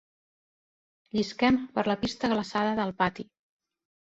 Llisquem per la pista glaçada del pati.